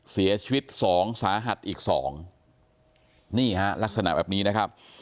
เสียชีวิตสองสาหัสอีกสองนี่ฮะลักษณะแบบนี้นะครับ